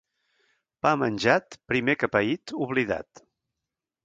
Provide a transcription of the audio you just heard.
Pa menjat, primer que paït, oblidat.